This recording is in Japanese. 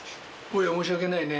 坊や、申し訳ないね。